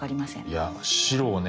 いや白をね